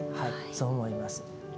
そう思います。